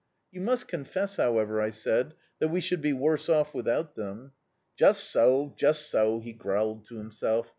"You must confess, however," I said, "that we should be worse off without them." "Just so, just so," he growled to himself.